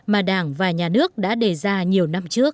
mà đảng và nhà nước đã đề ra nhiều năm trước